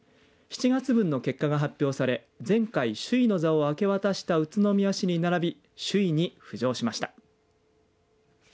７月分の結果が発表され前回、首位の座を明け渡した宇都宮市に変わり首位に浮上しました。